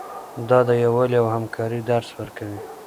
دا د یووالي او همکارۍ درس ورکوي.